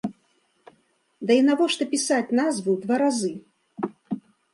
Да і навошта пісаць назву два разы?